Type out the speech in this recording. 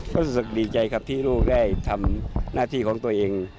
ก็รู้สึกดีใจครับที่ลูกได้ทำหน้าที่ของตัวเอง